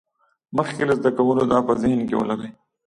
مخکې له زده کولو دا په ذهن کې ولرئ.